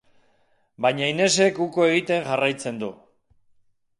Baina Inesek uko egiten jarraitzen du.